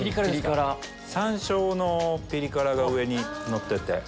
山椒のピリ辛が上にのってて。